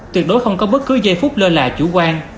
tuyệt đối không có bất cứ giây phút lơ là chủ quan